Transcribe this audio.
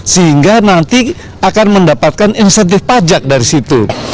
sehingga nanti akan mendapatkan insentif pajak dari situ